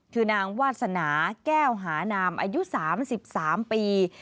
คือนางวาสนาแก้วหานามอายุ๓๓ปี